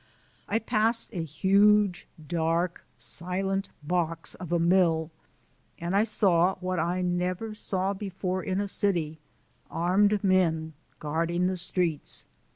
I passed a huge, dark, silent box of a mill, and I saw what I never saw before in a city, armed men guarding the streets.